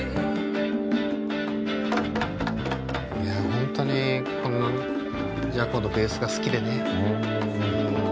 本当にこのＪａｃｏのベースが好きでね。